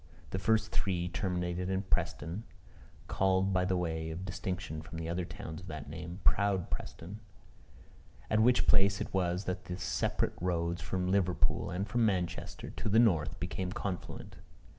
The first three terminated in Preston, (called, by way of distinction from other towns of that name, proud Preston,) at which place it was that the separate roads from Liverpool and from Manchester to the north became confluent.